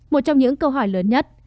một trong những câu hỏi lớn nhất